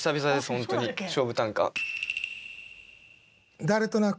本当に勝負短歌。